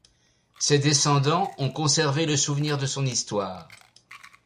Ses descendants ont conservé le souvenir de son histoire.